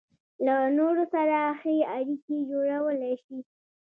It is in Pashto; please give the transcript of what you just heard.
له نورو سره ښې اړيکې جوړولای شي.